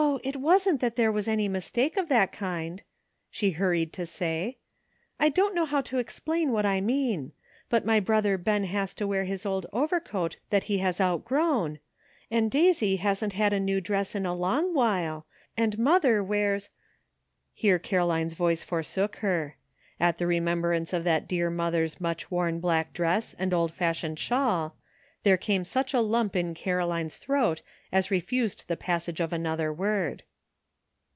it wasn't that there was any mistake of that kind," she hurried to say. " I don't know how to ex plain what I mean ; but my brother Ben has to wear his old overcoat that he has outgrown, and Daisy hasn't had a new dress in a long while, and mother wears" — here Caroline's voice for BORROWED TROUBLE. 239 sook her. At the remembrance of that dear mother's much worn black dress and old fashioned shawl, there came such a lump in Caroline's throat as refused the passage of another word.